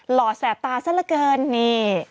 ห่อแสบตาซะละเกินนี่